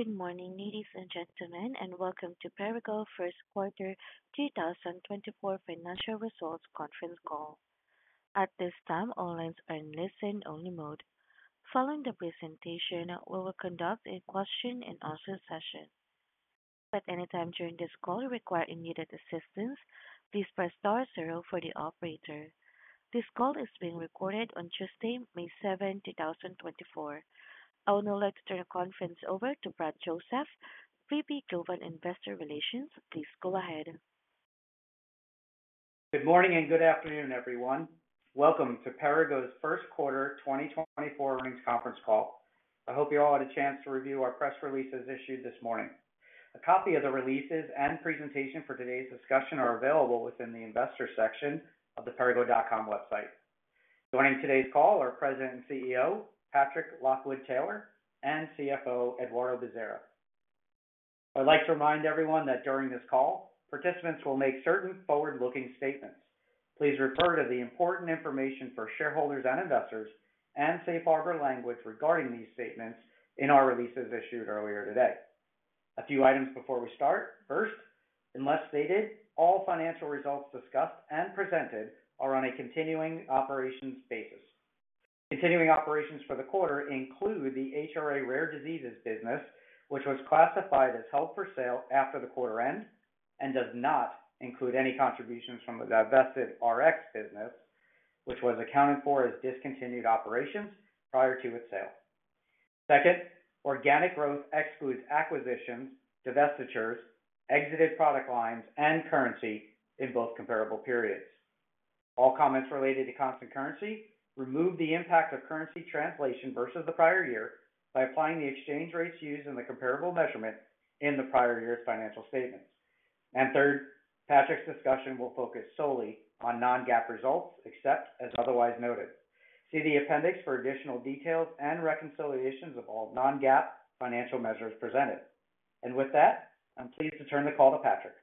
Good morning, ladies and gentlemen, and welcome to Perrigo First Quarter 2024 financial results conference call. At this time, all lines are in listen-only mode. Following the presentation, we will conduct a question and answer session. At any time during this call require immediate assistance, please press star zero for the operator. This call is being recorded on Tuesday, May 7, 2024. I would now like to turn the conference over to Brad Joseph, VP, Global Investor Relations. Please go ahead. Good morning and good afternoon, everyone. Welcome to Perrigo's First Quarter 2024 Earnings conference call. I hope you all had a chance to review our press releases issued this morning. A copy of the releases and presentation for today's discussion are available within the investor section of the perrigo.com website. Joining today's call are President and CEO, Patrick Lockwood-Taylor, and CFO, Eduardo Bezerra. I'd like to remind everyone that during this call, participants will make certain forward-looking statements. Please refer to the important information for shareholders and investors and safe harbor language regarding these statements in our releases issued earlier today. A few items before we start. First, unless stated, all financial results discussed and presented are on a continuing operations basis. Continuing operations for the quarter include the HRA Rare Diseases business, which was classified as held for sale after the quarter end and does not include any contributions from the divested Rx business, which was accounted for as discontinued operations prior to its sale. Second, organic growth excludes acquisitions, divestitures, exited product lines, and currency in both comparable periods. All comments related to constant currency remove the impact of currency translation versus the prior year by applying the exchange rates used in the comparable measurement in the prior year's financial statements. Third, Patrick's discussion will focus solely on non-GAAP results, except as otherwise noted. See the appendix for additional details and reconciliations of all non-GAAP financial measures presented. With that, I'm pleased to turn the call to Patrick.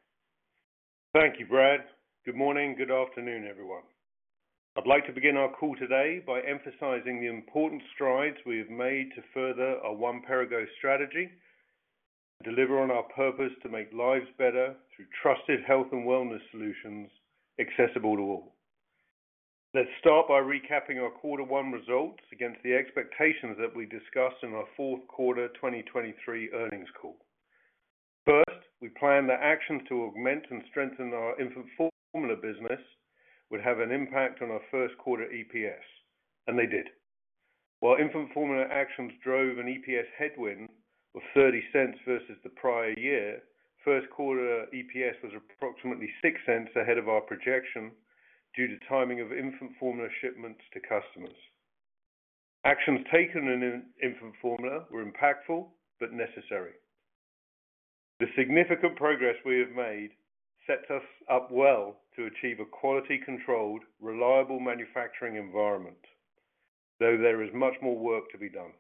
Thank you, Brad. Good morning, good afternoon, everyone. I'd like to begin our call today by emphasizing the important strides we have made to further our One Perrigo strategy, deliver on our purpose to make lives better through trusted health and wellness solutions accessible to all. Let's start by recapping our quarter one results against the expectations that we discussed in our fourth quarter 2023 earnings call. First, we plan the actions to augment and strengthen our infant formula business would have an impact on our first quarter EPS, and they did. While infant formula actions drove an EPS headwind of $0.30 versus the prior year, first quarter EPS was approximately $0.06 ahead of our projection due to timing of infant formula shipments to customers. Actions taken in infant formula were impactful but necessary. The significant progress we have made sets us up well to achieve a quality-controlled, reliable manufacturing environment, though there is much more work to be done.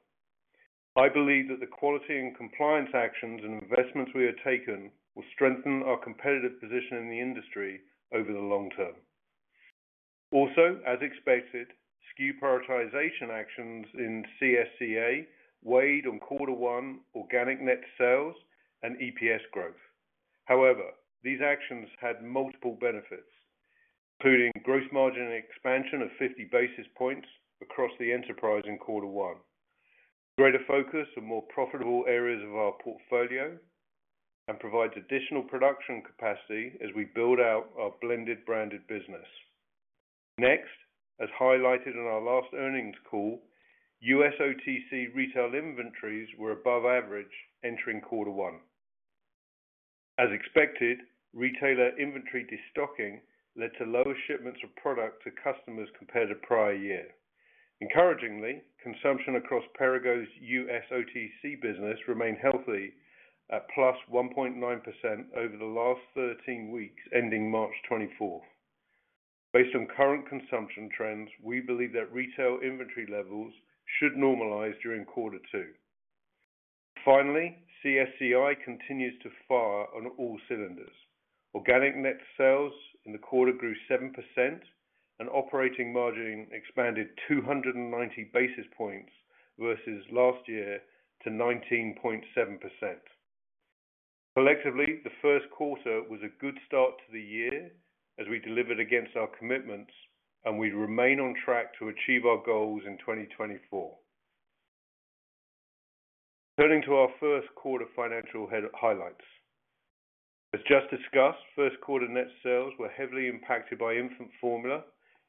I believe that the quality and compliance actions and investments we have taken will strengthen our competitive position in the industry over the long term. Also, as expected, SKU prioritization actions in CSCA weighed on quarter one organic net sales and EPS growth. However, these actions had multiple benefits, including gross margin expansion of 50 basis points across the enterprise in quarter one. Greater focus on more profitable areas of our portfolio and provides additional production capacity as we build out our blended branded business. Next, as highlighted in our last earnings call, U.S. OTC retail inventories were above average entering quarter one. As expected, retailer inventory destocking led to lower shipments of product to customers compared to prior year. Encouragingly, consumption across Perrigo's U.S. OTC business remained healthy at +1.9% over the last 13 weeks, ending March 24. Based on current consumption trends, we believe that retail inventory levels should normalize during Q2. Finally, CSCI continues to fire on all cylinders. Organic net sales in the quarter grew 7% and operating margin expanded 290 basis points versus last year to 19.7%. Collectively, the first quarter was a good start to the year as we delivered against our commitments and we remain on track to achieve our goals in 2024. Turning to our first quarter financial highlights. As just discussed, first quarter net sales were heavily impacted by infant formula,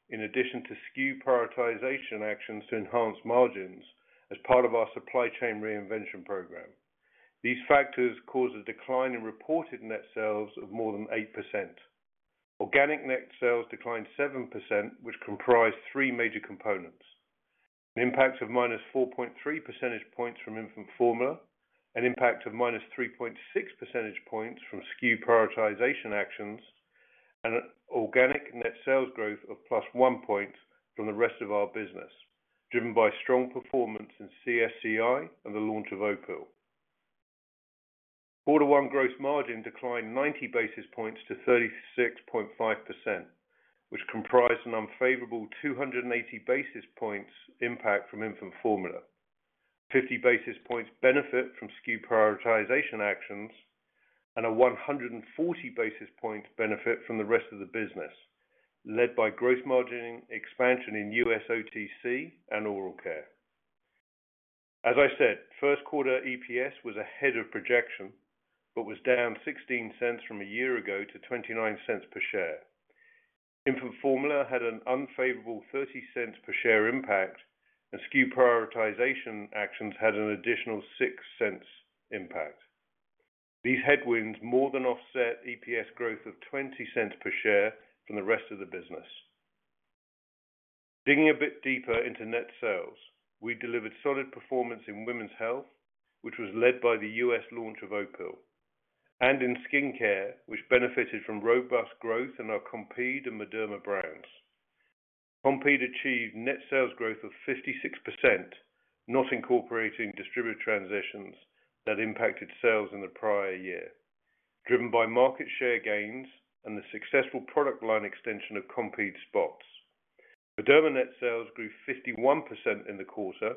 in addition to SKU prioritization actions to enhance margins as part of our Supply Chain Reinvention program. These factors caused a decline in reported net sales of more than 8%. Organic net sales declined 7%, which comprised three major components. An impact of -4.3 percentage points from infant formula, an impact of -3.6 percentage points from SKU prioritization actions, and organic net sales growth of +1 point from the rest of our business, driven by strong performance in CSCI and the launch of Opill. Quarter 1 gross margin declined 90 basis points to 36.5%, which comprised an unfavorable 280 basis points impact from infant formula. 50 basis points benefit from SKU prioritization actions, and a 140 basis points benefit from the rest of the business, led by gross margin expansion in U.S. OTC and oral care. As I said, first quarter EPS was ahead of projection, but was down $0.16 per share from a year ago to $0.29 per share. Infant formula had an unfavorable $0.30 per share impact, and SKU prioritization actions had an additional $0.06 impact. These headwinds more than offset EPS growth of $0.20 per share from the rest of the business. Digging a bit deeper into net sales, we delivered solid performance in women's health, which was led by the U.S. launch of Opill, and in skincare, which benefited from robust growth in our Compeed and Mederma brands. Compeed achieved net sales growth of 56%, not incorporating distributor transitions that impacted sales in the prior year, driven by market share gains and the successful product line extension of Compeed Spots. Mederma net sales grew 51% in the quarter,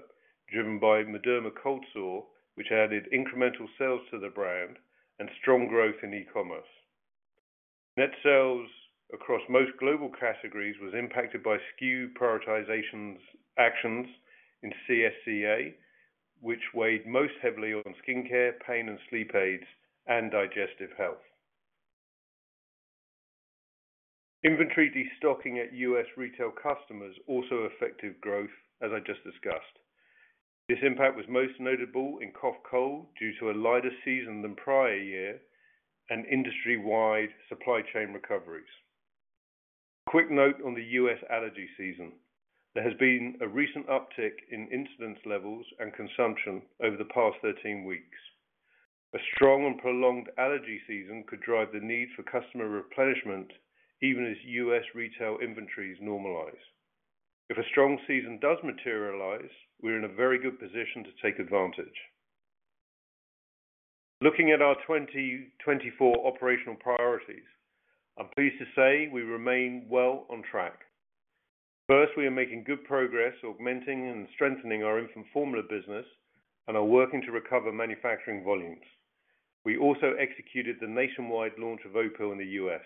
driven by Mederma Cold Sore, which added incremental sales to the brand and strong growth in e-commerce. Net sales across most global categories was impacted by SKU prioritization actions in CSCA, which weighed most heavily on skincare, pain and sleep aids, and digestive health. Inventory destocking at U.S. retail customers also affected growth, as I just discussed. This impact was most notable in cough cold, due to a lighter season than prior year and industry-wide supply chain recoveries. Quick note on the U.S. allergy season. There has been a recent uptick in incidence levels and consumption over the past 13 weeks. A strong and prolonged allergy season could drive the need for customer replenishment, even as U.S. retail inventories normalize. If a strong season does materialize, we are in a very good position to take advantage. Looking at our 2024 operational priorities, I'm pleased to say we remain well on track. First, we are making good progress augmenting and strengthening our infant formula business and are working to recover manufacturing volumes. We also executed the nationwide launch of Opill in the U.S.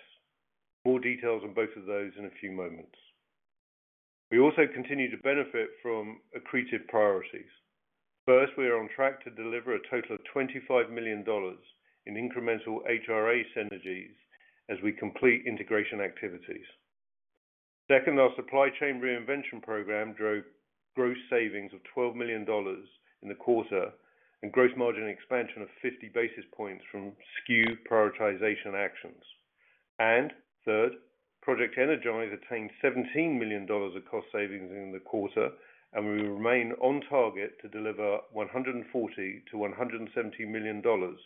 More details on both of those in a few moments. We also continue to benefit from accretive priorities. First, we are on track to deliver a total of $25 million in incremental HRA synergies as we complete integration activities. Second, our supply chain reinvention program drove gross savings of $12 million in the quarter and gross margin expansion of 50 basis points from SKU prioritization actions. And third, Project Energize attained $17 million of cost savings in the quarter, and we remain on target to deliver $140 million-$170 million in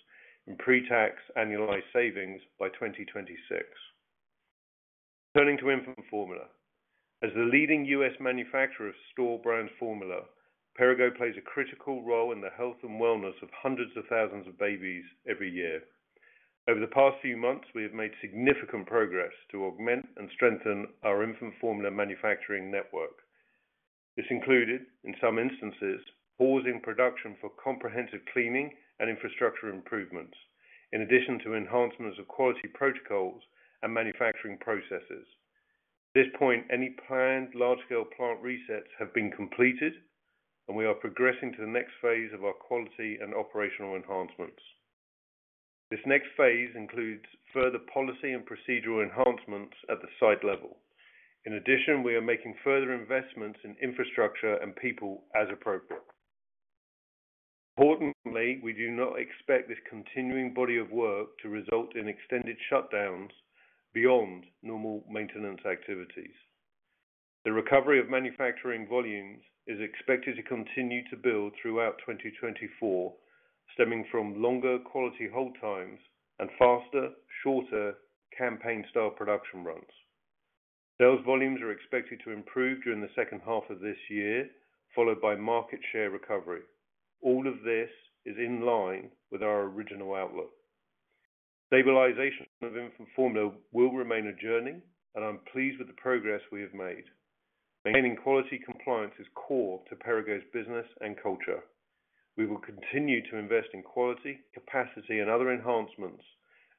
pre-tax annualized savings by 2026 turning to infant formula. As the leading U.S. manufacturer of store brand formula, Perrigo plays a critical role in the health and wellness of hundreds of thousands of babies every year. Over the past few months, we have made significant progress to augment and strengthen our infant formula manufacturing network. This included, in some instances, pausing production for comprehensive cleaning and infrastructure improvements, in addition to enhancements of quality protocols and manufacturing processes. At this point, any planned large-scale plant resets have been completed, and we are progressing to the next phase of our quality and operational enhancements. This next phase includes further policy and procedural enhancements at the site level. In addition, we are making further investments in infrastructure and people as appropriate. Importantly, we do not expect this continuing body of work to result in extended shutdowns beyond normal maintenance activities. The recovery of manufacturing volumes is expected to continue to build throughout 2024, stemming from longer quality hold times and faster, shorter campaign-style production runs. Sales volumes are expected to improve during the second half of this year, followed by market share recovery. All of this is in line with our original outlook. Stabilization of infant formula will remain a journey, and I'm pleased with the progress we have made. Maintaining quality compliance is core to Perrigo's business and culture. We will continue to invest in quality, capacity, and other enhancements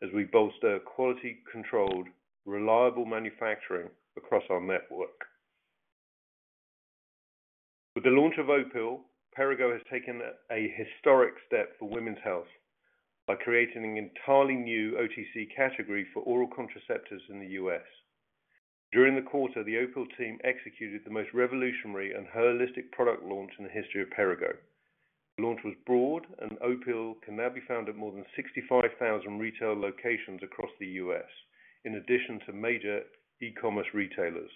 as we bolster quality controlled, reliable manufacturing across our network. With the launch of Opill, Perrigo has taken a historic step for women's health by creating an entirely new OTC category for oral contraceptives in the U.S. During the quarter, the Opill team executed the most revolutionary and holistic product launch in the history of Perrigo. The launch was broad, and Opill can now be found at more than 65,000 retail locations across the U.S., in addition to major e-commerce retailers.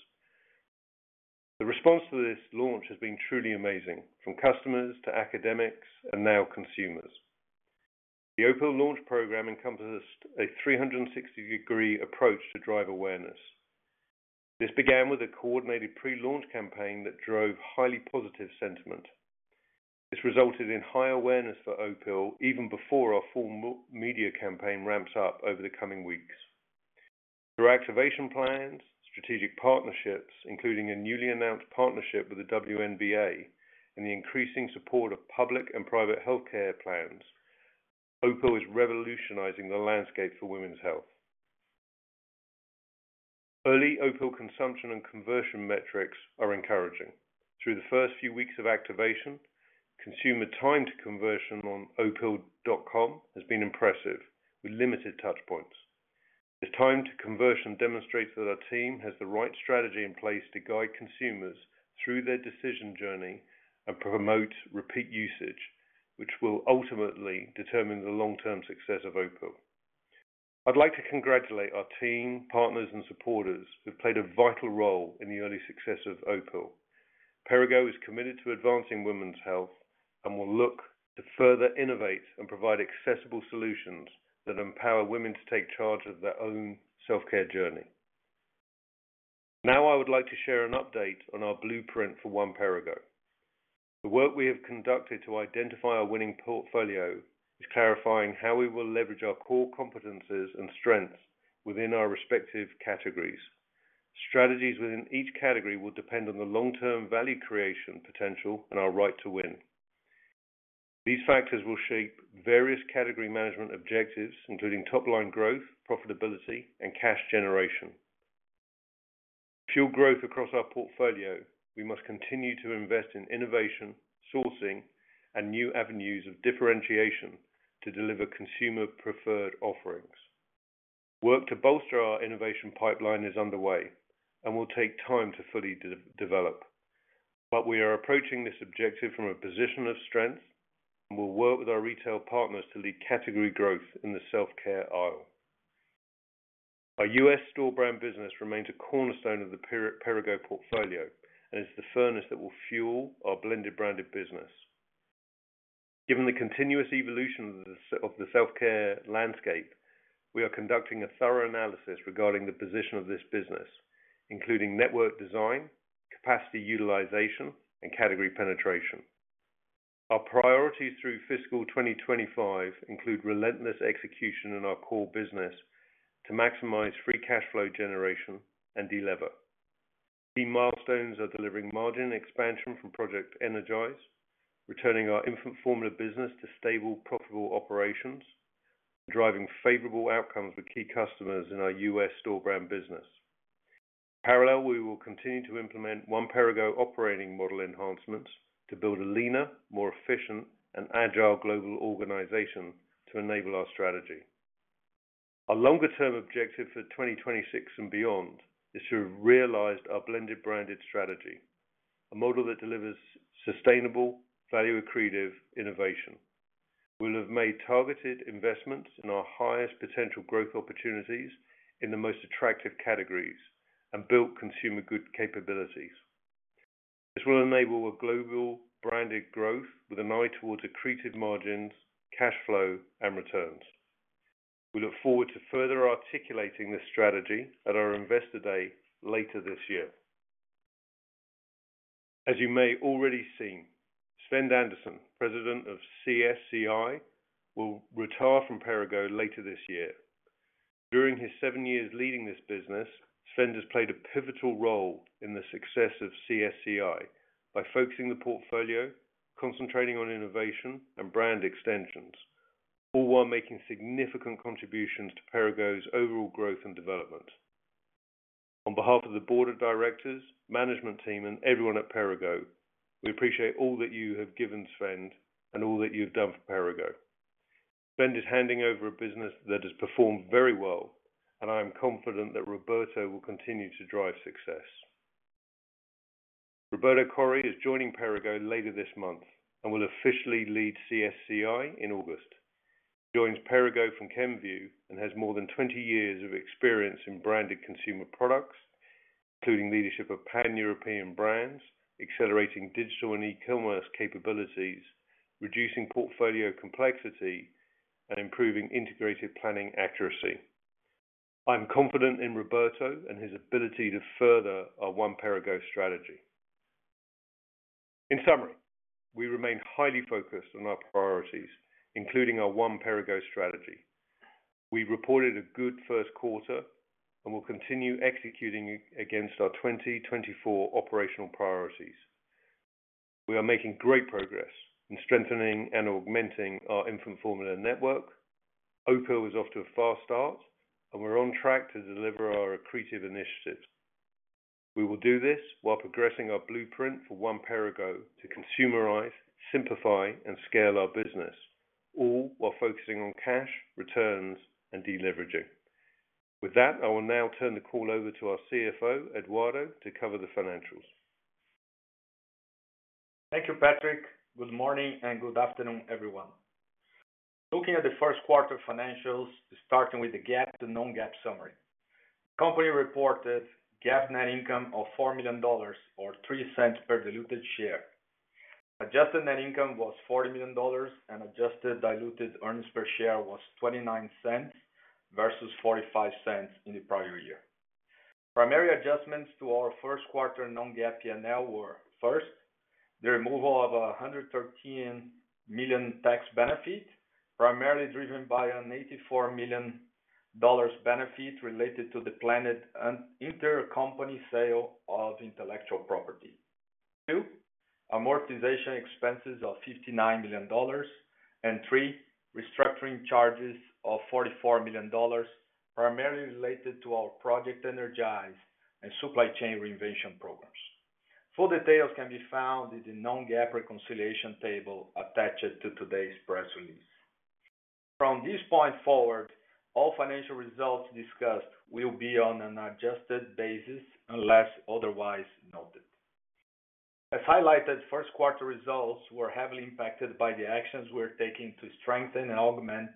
The response to this launch has been truly amazing, from customers to academics and now consumers. The Opill launch program encompasses a 360-degree approach to drive awareness. This began with a coordinated pre-launch campaign that drove highly positive sentiment. This resulted in high awareness for Opill even before our formal media campaign ramps up over the coming weeks. Through activation plans, strategic partnerships, including a newly announced partnership with the WNBA, and the increasing support of public and private healthcare plans, Opill is revolutionizing the landscape for women's health. Early Opill consumption and conversion metrics are encouraging. Through the first few weeks of activation, consumer time to conversion on opill.com has been impressive, with limited touch points. The time to conversion demonstrates that our team has the right strategy in place to guide consumers through their decision journey and promote repeat usage, which will ultimately determine the long-term success of Opill. I'd like to congratulate our team, partners, and supporters who played a vital role in the early success of Opill. Perrigo is committed to advancing women's health and will look to further innovate and provide accessible solutions that empower women to take charge of their own self-care journey. Now, I would like to share an update on our blueprint for One Perrigo. The work we have conducted to identify our winning portfolio is clarifying how we will leverage our core competencies and strengths within our respective categories. Strategies within each category will depend on the long-term value creation potential and our right to win. These factors will shape various category management objectives, including top-line growth, profitability, and cash generation. To fuel growth across our portfolio, we must continue to invest in innovation, sourcing, and new avenues of differentiation to deliver consumer-preferred offerings. Work to bolster our innovation pipeline is underway and will take time to fully develop, but we are approaching this objective from a position of strength, and we'll work with our retail partners to lead category growth in the self-care aisle. Our U.S. store brand business remains a cornerstone of the Perrigo portfolio, and it's the furnace that will fuel our blended branded business. Given the continuous evolution of the of the self-care landscape, we are conducting a thorough analysis regarding the position of this business, including network design, capacity utilization, and category penetration. Our priorities through fiscal 2025 include relentless execution in our core business to maximize free cash flow generation and deliver. Key milestones are delivering margin expansion from Project Energize, returning our infant formula business to stable, profitable operations, driving favorable outcomes with key customers in our U.S. store brand business. Parallel, we will continue to implement One Perrigo operating model enhancements to build a leaner, more efficient, and agile global organization to enable our strategy. Our longer-term objective for 2026 and beyond is to have realized our blended branded strategy, a model that delivers sustainable, value-accretive innovation. We'll have made targeted investments in our highest potential growth opportunities in the most attractive categories and built consumer good capabilities. This will enable a global branded growth with an eye towards accretive margins, cash flow, and returns. We look forward to further articulating this strategy at our Investor Day later this year. As you may have already seen, Svend Andersen, President of CSCI, will retire from Perrigo later this year. During his 7 years leading this business, Svend has played a pivotal role in the success of CSCI by focusing the portfolio, concentrating on innovation and brand extensions, all while making significant contributions to Perrigo's overall growth and development. On behalf of the board of directors, management team, and everyone at Perrigo, we appreciate all that you have given, Svend, and all that you've done for Perrigo. Svend is handing over a business that has performed very well, and I am confident that Roberto will continue to drive success. Roberto Khoury is joining Perrigo later this month and will officially lead CSCI in August. He joins Perrigo from Kenvue and has more than 20 years of experience in branded consumer products, including leadership of Pan-European brands, accelerating digital and e-commerce capabilities, reducing portfolio complexity, and improving integrated planning accuracy. I'm confident in Roberto and his ability to further our One Perrigo strategy. In summary, we remain highly focused on our priorities, including our One Perrigo strategy. We reported a good first quarter and will continue executing against our 2024 operational priorities. We are making great progress in strengthening and augmenting our infant formula network. Opill is off to a fast start, and we're on track to deliver our accretive initiatives. We will do this while progressing our blueprint for One Perrigo to consumerize, simplify, and scale our business, all while focusing on cash, returns, and deleveraging. With that, I will now turn the call over to our CFO, Eduardo, to cover the financials. Thank you, Patrick. Good morning, and good afternoon, everyone. Looking at the first quarter financials, starting with the GAAP to non-GAAP summary. The Company reported GAAP net income of $4 million or $0.03 per diluted share. Adjusted net income was $40 million, and adjusted diluted earnings per share was $0.29, versus $0.45 in the prior year. Primary adjustments to our first quarter non-GAAP P&L were first, the removal of $113 million tax benefit, primarily driven by an $84 million benefit related to the planned intercompany sale of intellectual property. Two, amortization expenses of $59 million, and three, restructuring charges of $44 million, primarily related to our Project Energize and Supply Chain Reinvention programs. Full details can be found in the non-GAAP reconciliation table attached to today's press release. From this point forward, all financial results discussed will be on an adjusted basis, unless otherwise noted. As highlighted, first quarter results were heavily impacted by the actions we're taking to strengthen and augment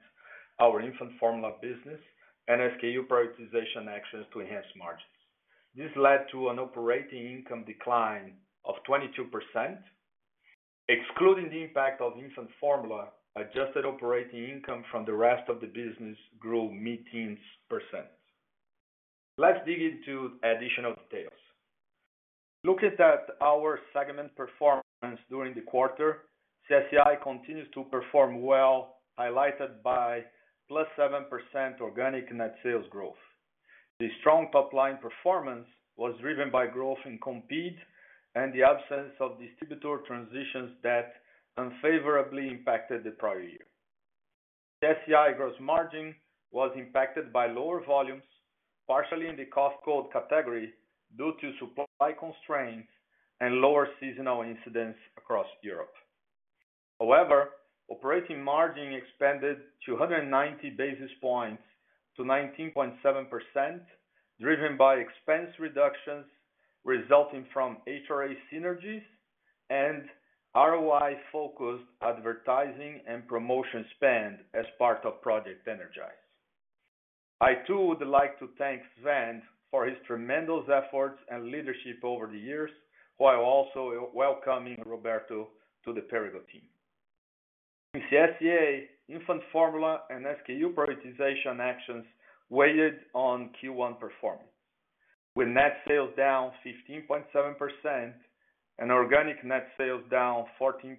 our infant formula business and SKU prioritization actions to enhance margins. This led to an operating income decline of 22%. Excluding the impact of infant formula, adjusted operating income from the rest of the business grew mid-teens percent. Let's dig into additional details. Looking at our segment performance during the quarter, CSCI continues to perform well, highlighted by +7% organic net sales growth. The strong top-line performance was driven by growth in Compeed and the absence of distributor transitions that unfavorably impacted the prior year. The CSCI gross margin was impacted by lower volumes, partially in the cough cold category, due to supply constraints and lower seasonal incidents across Europe. However, operating margin expanded 290 basis points to 19.7%, driven by expense reductions resulting from HRA synergies and ROI-focused advertising and promotion spend as part of Project Energize. I, too, would like to thank Svend for his tremendous efforts and leadership over the years, while also welcoming Roberto to the Perrigo team. In CSCA, infant formula and SKU prioritization actions weighed on Q1 performance, with net sales down 15.7% and organic net sales down 14.6%.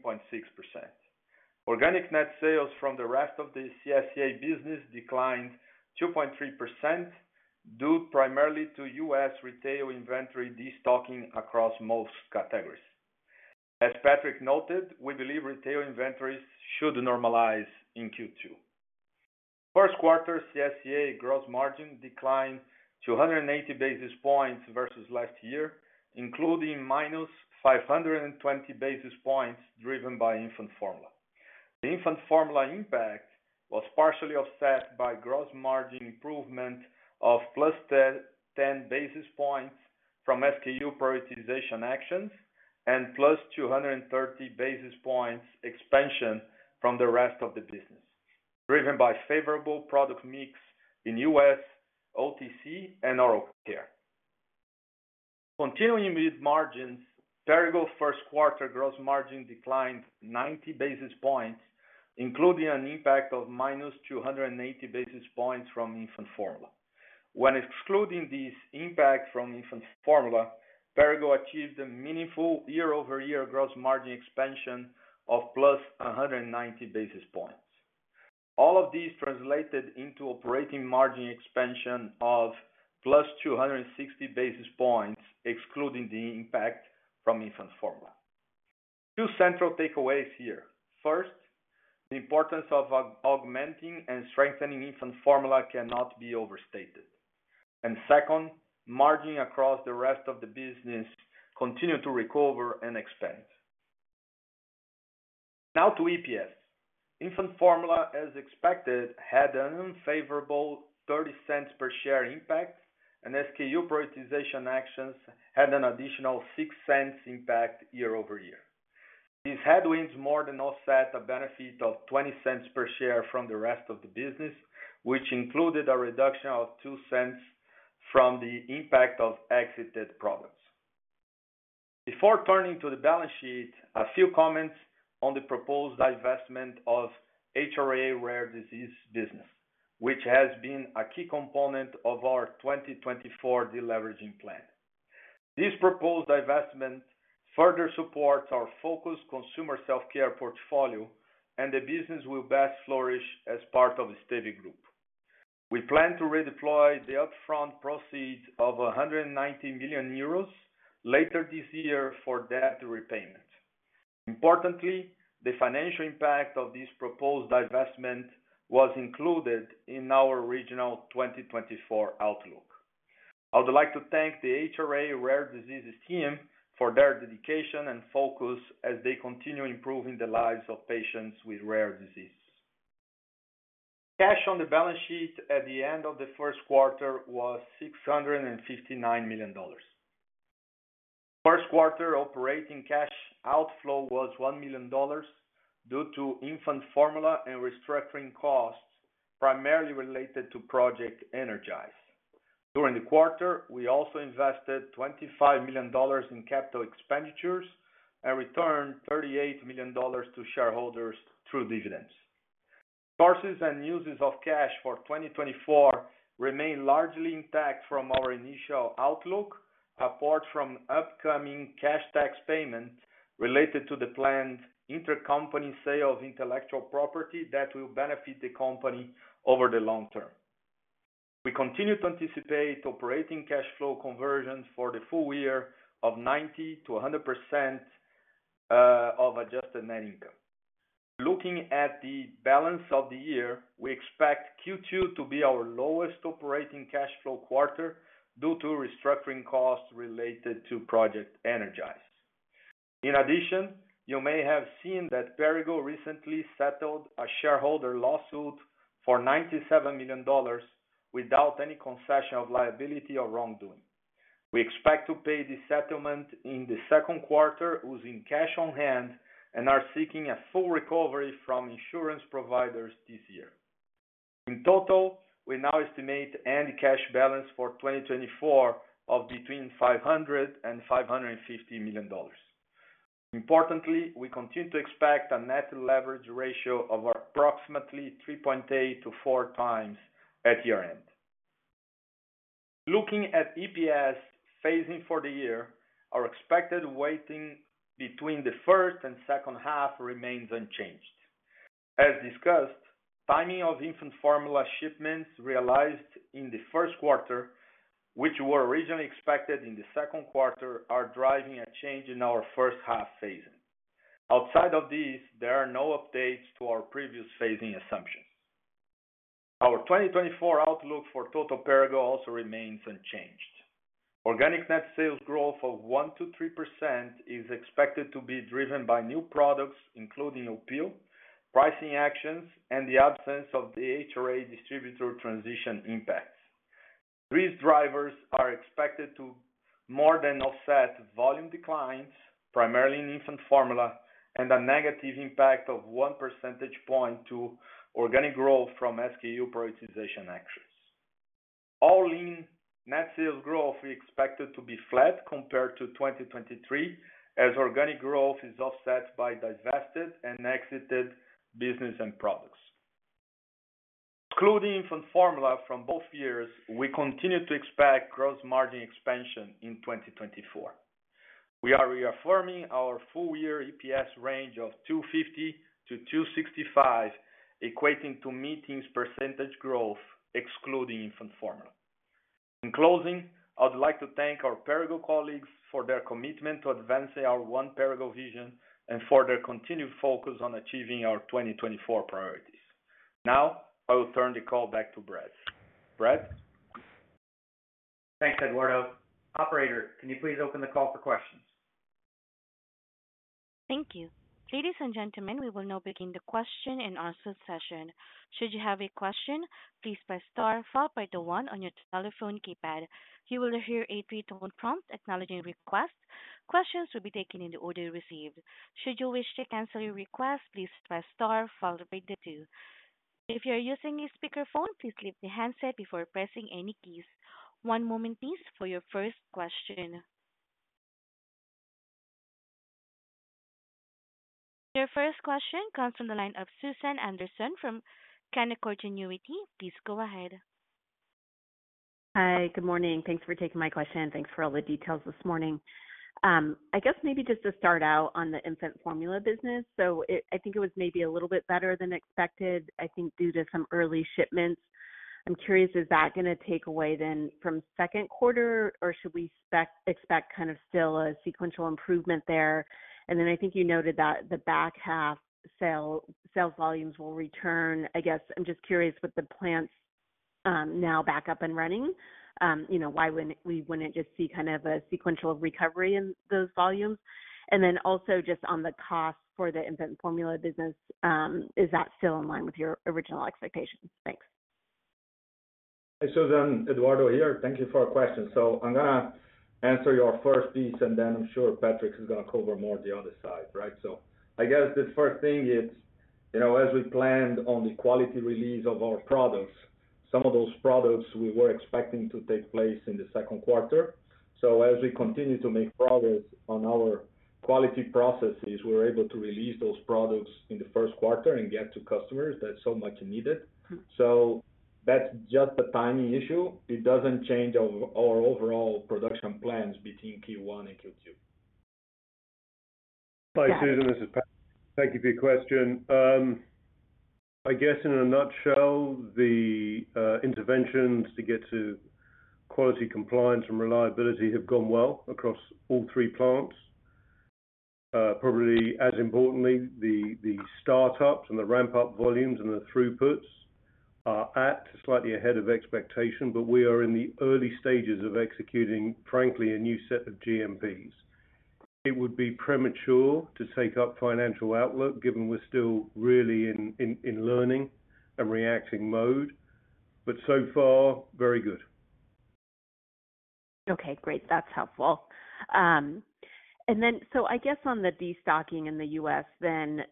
Organic net sales from the rest of the CSCA business declined 2.3%, due primarily to U.S. retail inventory destocking across most categories. As Patrick noted, we believe retail inventories should normalize in Q2. First quarter CSCA gross margin declined to 180 basis points versus last year, including -520 basis points, driven by infant formula. The infant formula impact was partially offset by gross margin improvement of +110 basis points from SKU prioritization actions and +230 basis points expansion from the rest of the business, driven by favorable product mix in U.S., OTC, and oral care. Continuing with margins, Perrigo first quarter gross margin declined 90 basis points, including an impact of -280 basis points from infant formula. When excluding this impact from infant formula, Perrigo achieved a meaningful year-over-year gross margin expansion of +190 basis points. All of these translated into operating margin expansion of +260 basis points, excluding the impact from infant formula. Two central takeaways here. First, the importance of augmenting and strengthening infant formula cannot be overstated. Second, margin across the rest of the business continued to recover and expand. Now to EPS. Infant formula, as expected, had an unfavorable $0.30 per share impact, and SKU Prioritization actions had an additional $0.06 impact year over year. These headwinds more than offset a benefit of $0.20 per share from the rest of the business, which included a reduction of $0.02 from the impact of exited products. Before turning to the balance sheet, a few comments on the proposed divestment of HRA Rare Diseases business, which has been a key component of our 2024 deleveraging plan. This proposed divestment further supports our focused consumer self-care portfolio, and the business will best flourish as part of the ESTEVE. We plan to redeploy the upfront proceeds of 190 million euros later this year for debt repayment. Importantly, the financial impact of this proposed divestment was included in our original 2024 outlook. I would like to thank the HRA Rare Diseases team for their dedication and focus as they continue improving the lives of patients with rare diseases. Cash on the balance sheet at the end of the first quarter was $659 million. First quarter operating cash outflow was $1 million, due to infant formula and restructuring costs, primarily related to Project Energize. During the quarter, we also invested $25 million in capital expenditures and returned $38 million to shareholders through dividends. Sources and uses of cash for 2024 remain largely intact from our initial outlook, apart from upcoming cash tax payments related to the planned intercompany sale of intellectual property that will benefit the company over the long term. We continue to anticipate operating cash flow conversion for the full year of 90%-100% of adjusted net income. Looking at the balance of the year, we expect Q2 to be our lowest operating cash flow quarter due to restructuring costs related to Project Energize. In addition, you may have seen that Perrigo recently settled a shareholder lawsuit for $97 million without any concession of liability or wrongdoing. We expect to pay this settlement in the second quarter, using cash on hand and are seeking a full recovery from insurance providers this year. In total, we now estimate end cash balance for 2024 of between $500 million and $550 million. Importantly, we continue to expect a net leverage ratio of approximately 3.8-4 times at year-end. Looking at EPS phasing for the year, our expected weighting between the first and second half remains unchanged. As discussed, timing of infant formula shipments realized in the first quarter, which were originally expected in the second quarter, are driving a change in our first half phasing. Outside of these, there are no updates to our previous phasing assumptions. Our 2024 outlook for total Perrigo also remains unchanged. Organic net sales growth of 1%-3% is expected to be driven by new products, including Opill, pricing actions, and the absence of the HRA distributor transition impacts. These drivers are expected to more than offset volume declines, primarily in infant formula, and a negative impact of 1 percentage point to organic growth from SKU prioritization actions. All-in net sales growth, we expect to be flat compared to 2023, as organic growth is offset by divested and exited business and products. Excluding infant formula from both years, we continue to expect gross margin expansion in 2024. We are reaffirming our full year EPS range of $2.50-$2.65, equating to mid-teens percentage growth excluding infant formula. In closing, I would like to thank our Perrigo colleagues for their commitment to advancing our One Perrigo vision and for their continued focus on achieving our 2024 priorities. Now I will turn the call back to Brad. Brad? Thanks, Eduardo. Operator, can you please open the call for questions? Thank you. Ladies and gentlemen, we will now begin the question and answer session. Should you have a question, please press star followed by the one on your telephone keypad. You will hear a three-tone prompt acknowledging request. Questions will be taken in the order received. Should you wish to cancel your request, please press star followed by the two. If you are using a speakerphone, please leave the handset before pressing any keys. One moment please for your first question. Your first question comes from the line of Susan Anderson from Canaccord Genuity. Please go ahead. Hi, good morning. Thanks for taking my question. Thanks for all the details this morning. I guess maybe just to start out on the infant formula business. So I think it was maybe a little bit better than expected, I think due to some early shipments. I'm curious, is that gonna take away then from second quarter, or should we expect kind of still a sequential improvement there? And then I think you noted that the back half sales volumes will return. I guess I'm just curious, with the plants now back up and running, you know, why wouldn't we just see kind of a sequential recovery in those volumes? And then also just on the cost for the infant formula business, is that still in line with your original expectations? Thanks. Hi, Susan, Eduardo here. Thank you for our question. So I'm gonna answer your first piece, and then I'm sure Patrick is gonna cover more of the other side, right? So I guess the first thing is, you know, as we planned on the quality release of our products, some of those products we were expecting to take place in the second quarter. So as we continue to make progress on our quality processes, we're able to release those products in the first quarter and get to customers that so much needed. So that's just a timing issue. It doesn't change our overall production plans between Q1 and Q2. Hi, Susan, this is Patrick. Thank you for your question. I guess in a nutshell, the interventions to get to quality, compliance, and reliability have gone well across all three plants. Probably as importantly, the startups and the ramp-up volumes and the throughputs are at slightly ahead of expectation, but we are in the early stages of executing, frankly, a new set of GMPs. It would be premature to take up financial outlook, given we're still really in learning and reacting mode, but so far, very good. ...Okay, great. That's helpful. And then, so I guess on the destocking in the U.S., then,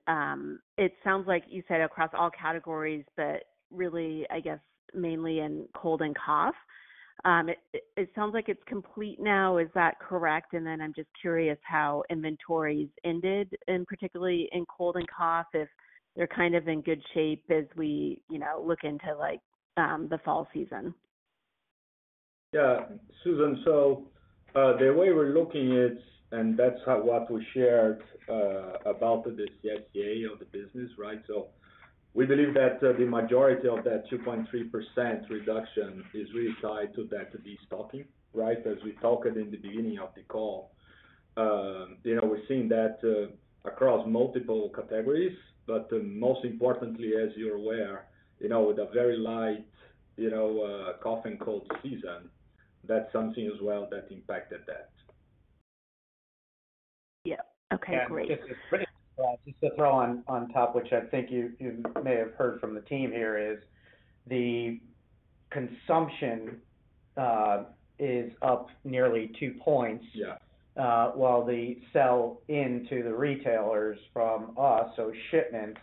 it sounds like you said across all categories, but really, I guess, mainly in cold and cough. It sounds like it's complete now. Is that correct? And then I'm just curious how inventories ended, and particularly in cold and cough, if they're kind of in good shape as we, you know, look into, like, the fall season. Yeah, Susan. So, the way we're looking it, and that's how what we shared about the CSCA of the business, right? So we believe that, the majority of that 2.3% reduction is really tied to that destocking, right? As we talked in the beginning of the call, you know, we're seeing that across multiple categories. But most importantly, as you're aware, you know, with a very light, you know, cough and cold season, that's something as well that impacted that. Yeah. Okay, great. Yeah, just to throw on top, which I think you may have heard from the team here, is the consumption is up nearly two points. Yeah. While the sell-in to the retailers from us, so shipments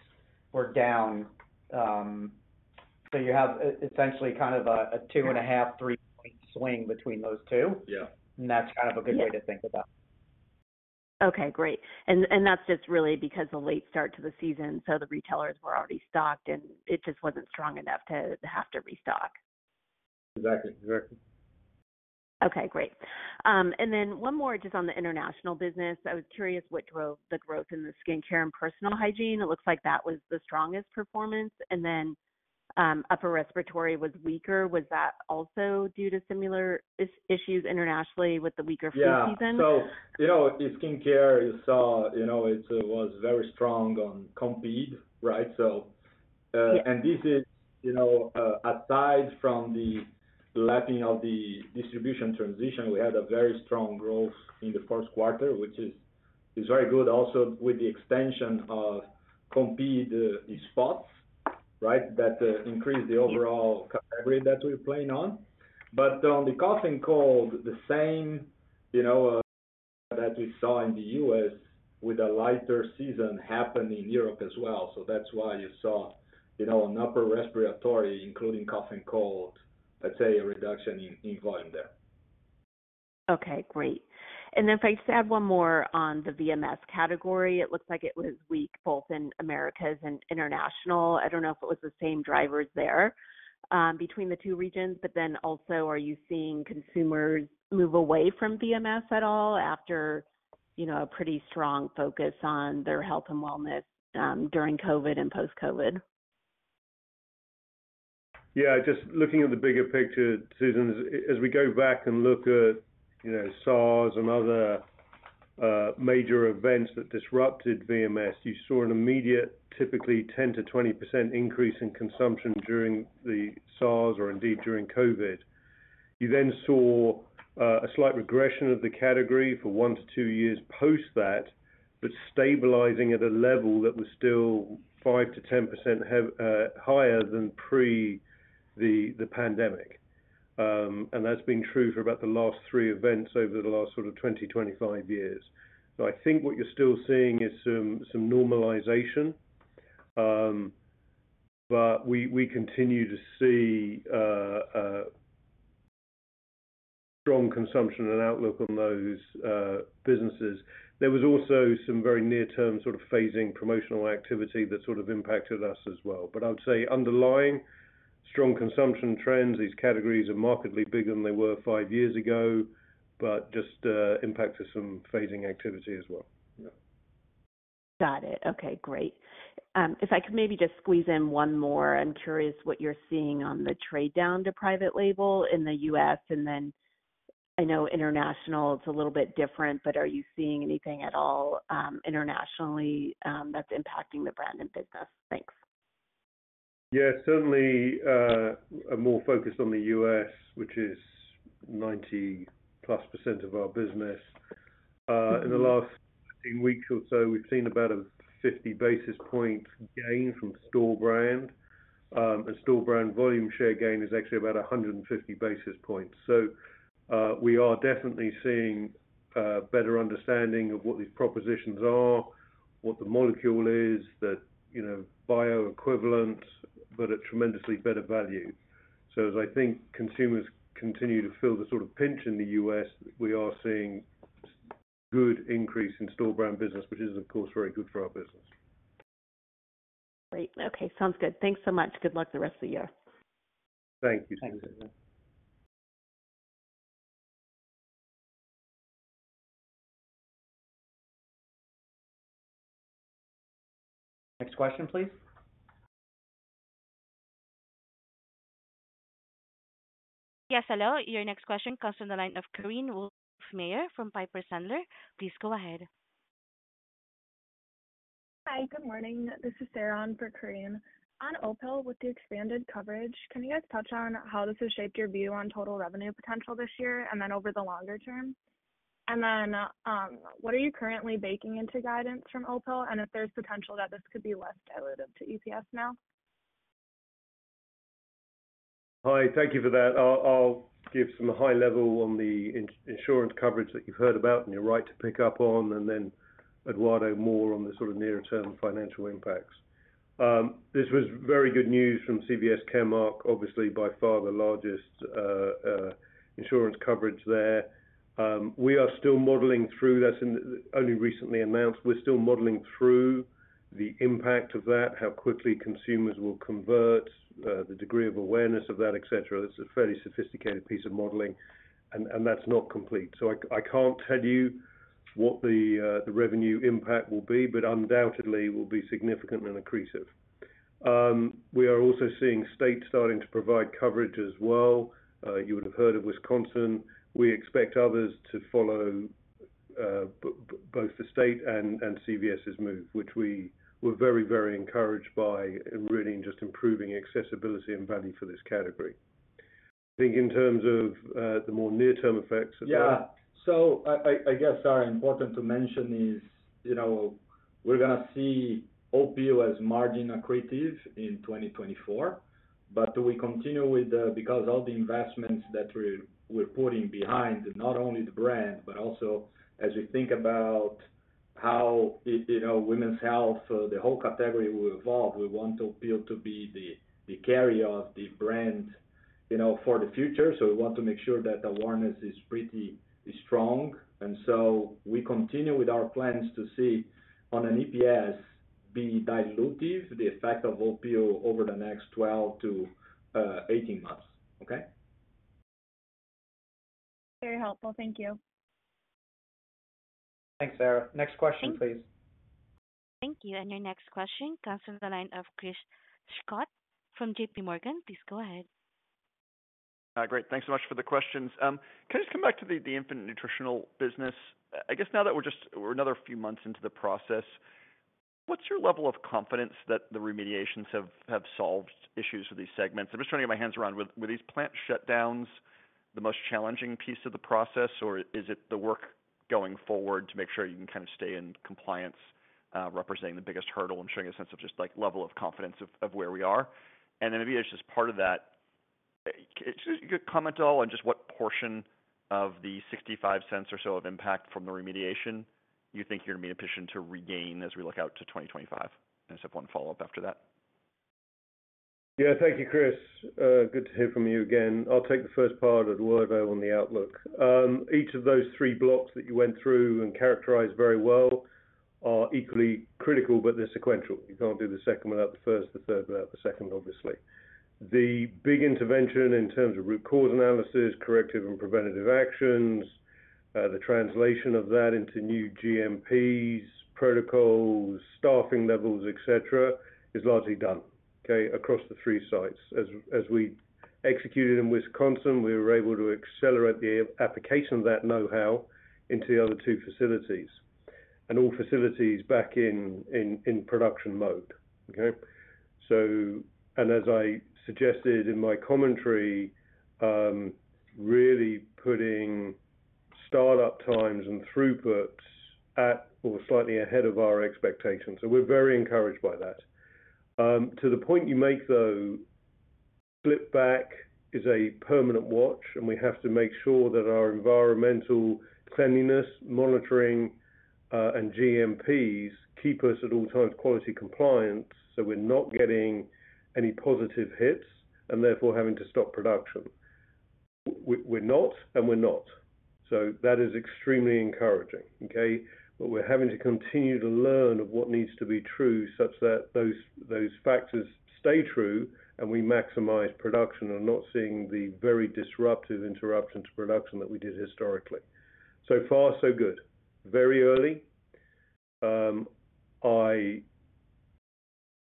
were down, so you have essentially kind of a 2.5, 3-point swing between those two. Yeah. That's kind of a good way to think about it. Okay, great. And that's just really because the late start to the season, so the retailers were already stocked, and it just wasn't strong enough to have to restock. Exactly. Exactly. Okay, great. And then one more just on the international business. I was curious what drove the growth in the skincare and personal hygiene. It looks like that was the strongest performance, and then upper respiratory was weaker. Was that also due to similar issues internationally with the weaker flu season? Yeah. So, you know, the skincare you saw, you know, it was very strong on Compeed, right? So, Yeah. And this is, you know, aside from the lapping of the distribution transition, we had a very strong growth in the first quarter, which is, is very good also with the extension of Compeed, the spots, right? That increase the overall category that we're playing on. But on the cough and cold, the same, you know, that we saw in the U.S. with a lighter season happened in Europe as well. So that's why you saw, you know, an upper respiratory, including cough and cold, let's say, a reduction in, in volume there. Okay, great. And then if I just add one more on the VMS category, it looks like it was weak both in Americas and International. I don't know if it was the same drivers there, between the two regions, but then also, are you seeing consumers move away from VMS at all after, you know, a pretty strong focus on their health and wellness, during COVID and post-COVID? Yeah, just looking at the bigger picture, Susan, as we go back and look at, you know, SARS and other major events that disrupted VMS, you saw an immediate, typically 10%-20% increase in consumption during the SARS or indeed during COVID. You then saw a slight regression of the category for 1-2 years post that, but stabilizing at a level that was still 5%-10% higher than pre the pandemic. And that's been true for about the last three events over the last sort of 20-25 years. So I think what you're still seeing is some normalization, but we continue to see strong consumption and outlook on those businesses. There was also some very near-term sort of phasing promotional activity that sort of impacted us as well. But I'd say underlying strong consumption trends. These categories are markedly bigger than they were five years ago, but just impacted some phasing activity as well. Yeah. Got it. Okay, great. If I could maybe just squeeze in one more. I'm curious what you're seeing on the trade down to private label in the U.S., and then I know international, it's a little bit different, but are you seeing anything at all, internationally, that's impacting the brand and business? Thanks. Yeah, certainly, I'm more focused on the U.S., which is 90%+ of our business. In the last 18 weeks or so, we've seen about a 50 basis point gain from store brand, and store brand volume share gain is actually about 150 basis points. So, we are definitely seeing better understanding of what these propositions are, what the molecule is, that, you know, bioequivalent, but a tremendously better value. So as I think consumers continue to feel the sort of pinch in the U.S., we are seeing good increase in store brand business, which is, of course, very good for our business. Great. Okay, sounds good. Thanks so much. Good luck the rest of the year. Thank you. Thanks. Next question, please. Yes, hello. Your next question comes from the line of from Korinne Wolfmeyer Piper Sandler. Please go ahead. Hi, good morning. This is Sarah on for Korinne. On Opill, with the expanded coverage, can you guys touch on how this has shaped your view on total revenue potential this year and then over the longer term? And then, what are you currently baking into guidance from Opill, and if there's potential that this could be less dilutive to EPS now? ...Hi, thank you for that. I'll give some high level on the insurance coverage that you've heard about, and you're right to pick up on, and then Eduardo, more on the sort of near-term financial impacts. This was very good news from CVS Caremark, obviously, by far the largest insurance coverage there. We are still modeling through. That's only recently announced. We're still modeling through the impact of that, how quickly consumers will convert, the degree of awareness of that, et cetera. It's a fairly sophisticated piece of modeling, and that's not complete. So I can't tell you what the revenue impact will be, but undoubtedly will be significant and accretive. We are also seeing states starting to provide coverage as well. You would have heard of Wisconsin. We expect others to follow both the state and CVS's move, which we were very, very encouraged by, in really just improving accessibility and value for this category. I think in terms of the more near-term effects of that- Yeah. So I guess, Sarah, important to mention is, you know, we're gonna see Opill as margin accretive in 2024. But we continue with the... Because all the investments that we're putting behind, not only the brand, but also as we think about how it, you know, women's health, the whole category will evolve. We want Opill to be the carrier of the brand, you know, for the future. So we want to make sure that awareness is pretty strong. And so we continue with our plans to see on an EPS, be dilutive, the effect of Opill over the next 12 to 18 months. Okay? Very helpful. Thank you. Thanks, Sarah. Next question, please. Thank you. Your next question comes from the line of Chris Schott from J.P. Morgan. Please go ahead. Great. Thanks so much for the questions. Can I just come back to the infant nutritional business? I guess now that we're another few months into the process, what's your level of confidence that the remediations have solved issues with these segments? I'm just trying to get my hands around, were these plant shutdowns the most challenging piece of the process, or is it the work going forward to make sure you can kind of stay in compliance, representing the biggest hurdle and showing a sense of just, like, level of confidence of where we are? And then maybe it's just part of that, could you comment at all on just what portion of the $0.65 or so of impact from the remediation you think you're going to be positioned to regain as we look out to 2025? I just have one follow-up after that. Yeah. Thank you, Chris. Good to hear from you again. I'll take the first part of Eduardo on the outlook. Each of those three blocks that you went through and characterized very well are equally critical, but they're sequential. You can't do the second without the first, the third without the second, obviously. The big intervention in terms of root cause analysis, corrective and preventative actions, the translation of that into new GMPs, protocols, staffing levels, et cetera, is largely done, okay? Across the three sites. As we executed in Wisconsin, we were able to accelerate the application of that know-how into the other two facilities. And all facilities back in production mode. Okay? And as I suggested in my commentary, really putting startup times and throughput at or slightly ahead of our expectations. So we're very encouraged by that. To the point you make, though, flip back is a permanent watch, and we have to make sure that our environmental cleanliness, monitoring, and GMPs keep us at all times quality compliant, so we're not getting any positive hits and therefore having to stop production. We're not, and we're not. So that is extremely encouraging, okay? But we're having to continue to learn of what needs to be true such that those, those factors stay true and we maximize production and not seeing the very disruptive interruption to production that we did historically. So far, so good. Very early. I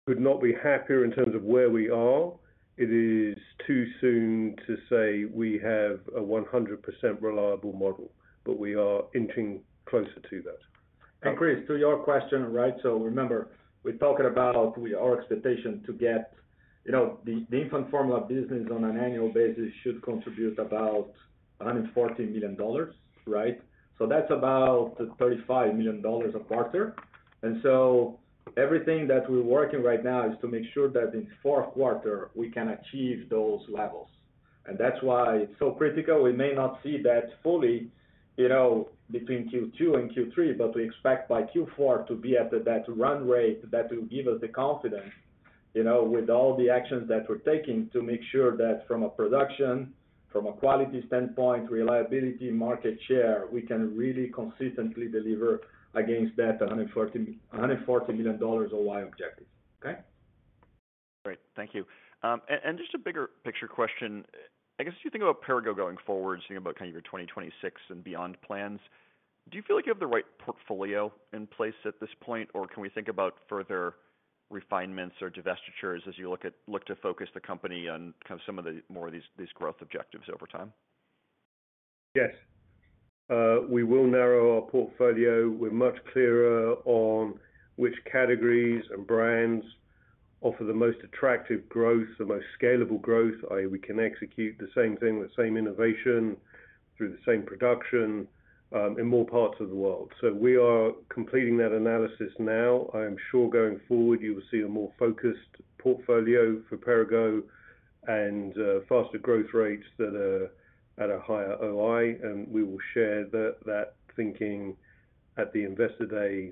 could not be happier in terms of where we are. It is too soon to say we have a 100% reliable model, but we are inching closer to that. And Chris, to your question, right? So remember, we're talking about our expectation to get, you know, the infant formula business on an annual basis should contribute about $114 million, right? So that's about $35 million a quarter. And so everything that we're working right now is to make sure that in fourth quarter, we can achieve those levels. And that's why it's so critical. We may not see that fully, you know, between Q2 and Q3, but we expect by Q4 to be at that runway that will give us the confidence, you know, with all the actions that we're taking to make sure that from a production, from a quality standpoint, reliability, market share, we can really consistently deliver against that $114, $114 million a year objective. Okay? Great. Thank you. And just a bigger picture question. I guess, as you think about Perrigo going forward, think about kind of your 2026 and beyond plans, do you feel like you have the right portfolio in place at this point? Or can we think about further refinements or divestitures as you look to focus the company on kind of some of the more of these growth objectives over time? Yes. We will narrow our portfolio. We're much clearer on which categories and brands offer the most attractive growth, the most scalable growth, i.e., we can execute the same thing, the same innovation through the same production in more parts of the world. So we are completing that analysis now. I am sure going forward, you will see a more focused portfolio for Perrigo and faster growth rates that are at a high ROI, and we will share that, that thinking at the Investor Day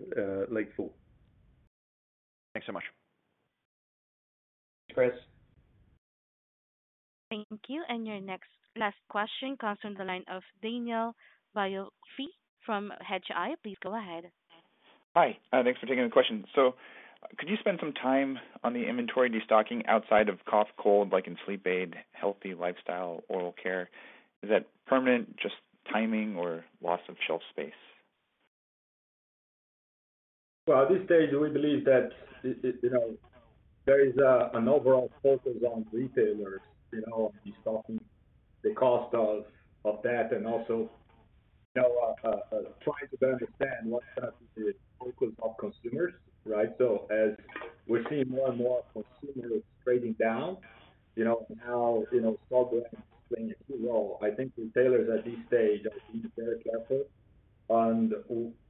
late fall. Thanks so much. Thanks, Chris. Thank you. Your next last question comes from the line of Daniel Biolsi from Hedgeye. Please go ahead. Hi, thanks for taking the question. Could you spend some time on the inventory destocking outside of cough, cold, like in sleep aid, healthy lifestyle, oral care? Is that permanent, just timing, or loss of shelf space? Well, at this stage, we believe that this is, you know, there is an overall focus on retailers, you know, destocking the cost of, of that, and also, you know, trying to understand what are the focus of consumers, right? So as we're seeing more and more consumers trading down, you know, now, you know, store brands playing a key role. I think retailers at this stage are being very careful. And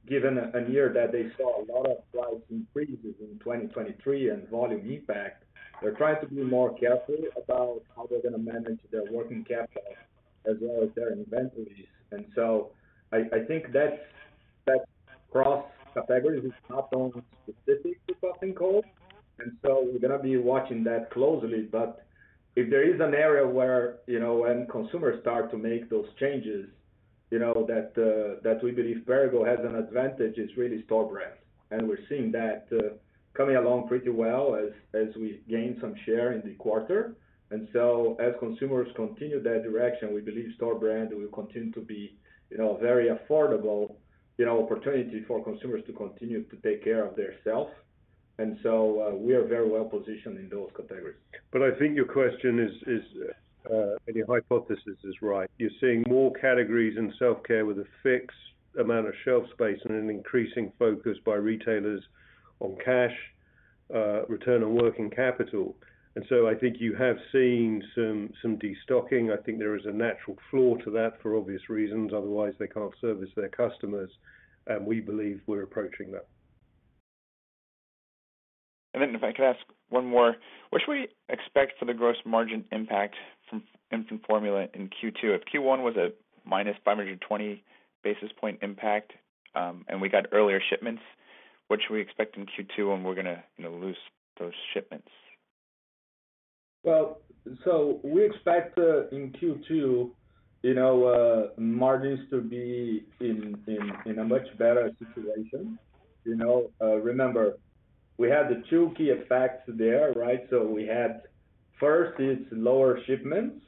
given a year that they saw a lot of price increases in 2023 and volume impact, they're trying to be more careful about how they're going to manage their working capital as well as their inventories. And so I think that's, that cross category is not only specific to cough and cold, and so we're gonna be watching that closely. But if there is an area where, you know, when consumers start to make those changes, you know, that we believe Perrigo has an advantage, is really store brands. And we're seeing that coming along pretty well as we gain some share in the quarter. And so as consumers continue that direction, we believe store brand will continue to be, you know, a very affordable, you know, opportunity for consumers to continue to take care of their self. And so, we are very well positioned in those categories. But I think your question is, and your hypothesis is right. You're seeing more categories in self-care with a fixed amount of shelf space and an increasing focus by retailers on cash return on working capital. And so I think you have seen some destocking. I think there is a natural floor to that for obvious reasons, otherwise, they can't service their customers, and we believe we're approaching that. Then if I could ask one more. What should we expect for the gross margin impact from infant formula in Q2? If Q1 was a minus 520 basis point impact, and we got earlier shipments, what should we expect in Q2 when we're gonna, you know, lose those shipments? Well, so we expect in Q2, you know, margins to be in a much better situation. You know, remember, we had the two key effects there, right? So we had, first, it's lower shipments,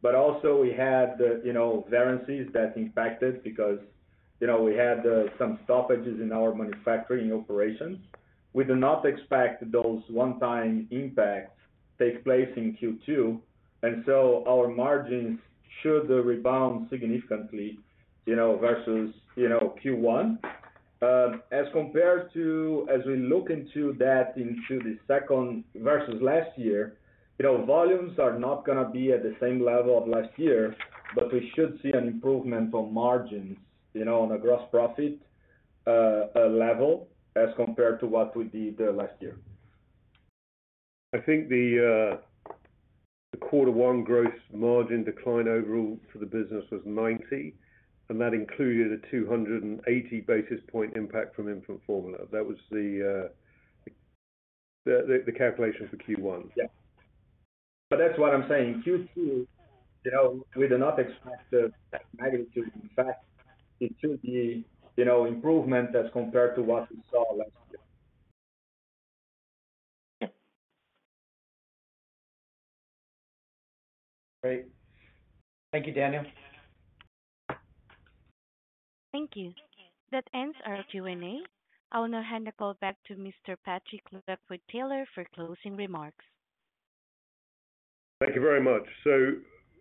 but also we had the, you know, variances that impacted because, you know, we had some stoppages in our manufacturing operations. We do not expect those one-time impacts take place in Q2, and so our margins should rebound significantly, you know versus you know, Q1. As compared to as we look into that into the second versus last year, you know, volumes are not gonna be at the same level of last year, but we should see an improvement on margins, you know, on a gross profit level, as compared to what we did last year. I think the quarter one gross margin decline overall for the business was 90, and that included a 280 basis point impact from infant formula. That was the calculation for Q1. Yeah. But that's what I'm saying. Q2, you know, we do not expect the magnitude. In fact, it should be, you know, improvement as compared to what we saw last year. Great. Thank you, Daniel. Thank you. That ends our Q&A. I will now hand the call back to Mr. Patrick Lockwood-Taylor for closing remarks. Thank you very much. So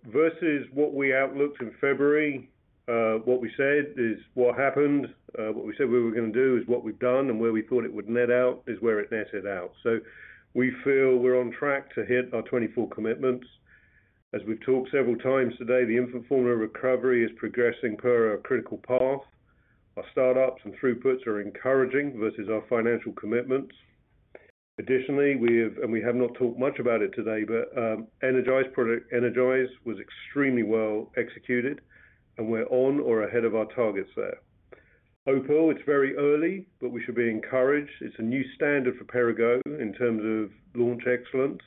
versus what we outlooked in February, what we said is what happened. What we said we were gonna do is what we've done, and where we thought it would net out is where it netted out. So we feel we're on track to hit our 2024 commitments. As we've talked several times today, the infant formula recovery is progressing per our critical path. Our startups and throughputs are encouraging versus our financial commitments. Additionally, we have and we have not talked much about it today, but Energize product, Energize was extremely well executed, and we're on or ahead of our targets there. Overall, it's very early, but we should be encouraged. It's a new standard for Perrigo in terms of launch excellence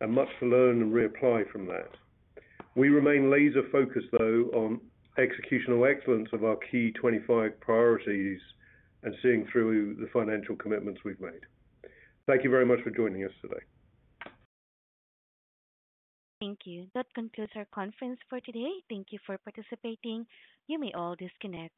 and much to learn and reapply from that. We remain laser focused, though, on executional excellence of our key 25 priorities and seeing through the financial commitments we've made. Thank you very much for joining us today. Thank you. That concludes our conference for today. Thank you for participating. You may all disconnect.